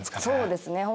そうですね